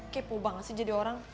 kepo banget sih jadi orang